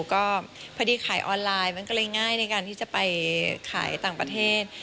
ก็พอดีขายออนไลน์มันก็เลยง่ายในการที่จะไปขายต่างประเทศ